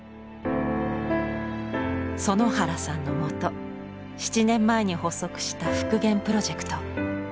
園原さんのもと７年前に発足した復元プロジェクト。